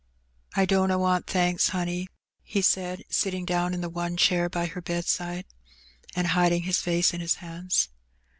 " I dunna want thanks, honey," he said, sitting down in the one chair by her bedside, and hiding his face in his hands.